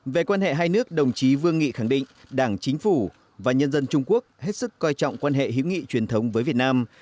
về quan hệ hai nước đồng chí vương nghị khẳng định đảng chính phủ và nhân dân trung quốc hết sức coi trọng quan hệ hữu nghị truyền thống với việt nam